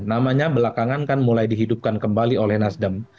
namanya belakangan kan mulai dihidupkan kembali oleh nasdem